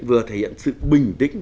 vừa thể hiện sự bình tĩnh